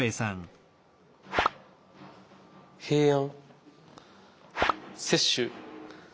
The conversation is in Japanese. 平安。